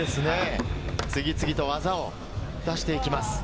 次々と技を出していきます。